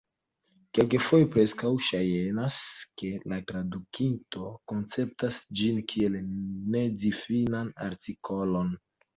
Kelkfoje preskaŭ ŝajnas, ke la tradukinto konceptas ĝin kiel nedifinan artikolon.